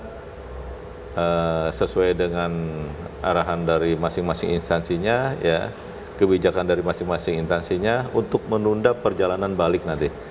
nah sesuai dengan arahan dari masing masing instansinya kebijakan dari masing masing instansinya untuk menunda perjalanan balik nanti